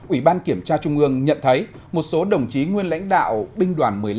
ủy ban kiểm tra trung ương nhận thấy một số đồng chí nguyên lãnh đạo binh đoàn một mươi năm